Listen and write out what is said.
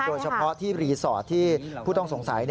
โดยเฉพาะที่รีสอร์ทที่ผู้ต้องสงสัย